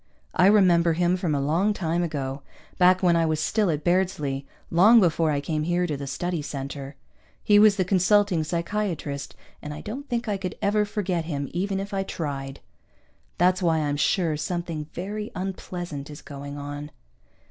I remember him from a long time ago, back when I was still at Bairdsley, long before I came here to the Study Center. He was the consulting psychiatrist, and I don't think I could ever forget him, even if I tried! That's why I'm sure something very unpleasant is going on.